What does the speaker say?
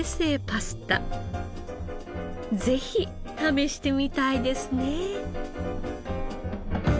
ぜひ試してみたいですね。